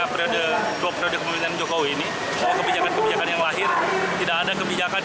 periode periode kemuliaan jokowi ini kebijakan kebijakan yang lahir tidak ada kebijakan